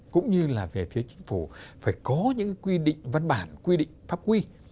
cũng như là về phía chính phủ phải có những quy định văn bản quy định pháp quy